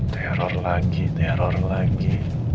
teror lagi teror lagi